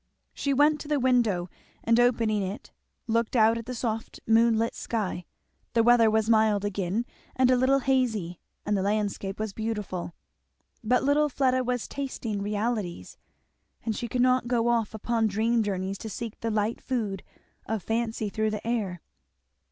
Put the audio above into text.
She went to the window and opening it looked out at the soft moonlit sky; the weather was mild again and a little hazy, and the landscape was beautiful. But little Fleda was tasting realities, and she could not go off upon dream journeys to seek the light food of fancy through the air.